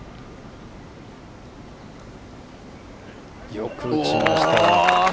よく打ちました。